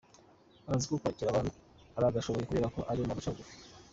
Akazi ko kwakira abantu aragashobora kubera ko ari umuntu uca bugufi.